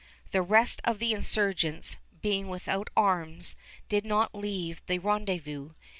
The rest of the insurgents, being without arms, did not leave the rendezvous.